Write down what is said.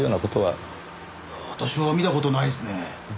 私は見た事ないですね。